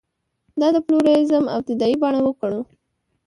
دا د پلورالېزم ابتدايي بڼه وګڼو.